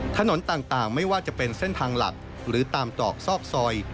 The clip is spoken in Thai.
ถนนต่างไม่ว่าจะเป็นเส้นทางหลักหรือตามตรอกซอกซอย